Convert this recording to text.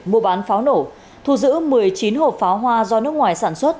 mua bán pháo nổ thu giữ một mươi chín hộp pháo hoa do nước ngoài sản xuất